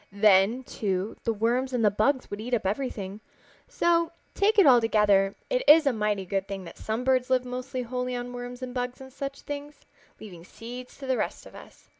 Then, too, the worms and the bugs would eat up everything. So, take it all together, it is a mighty good thing that some birds live almost wholly on worms and bugs and such things, leaving the seeds to the rest of us.